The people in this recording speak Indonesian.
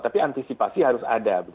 tapi antisipasi harus ada